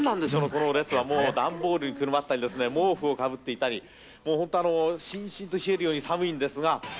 この列は、段ボールをかぶっていたり、毛布をかぶっていたり、しんしんと冷えるように寒いんですが。